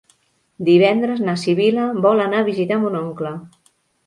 Divendres na Sibil·la vol anar a visitar mon oncle.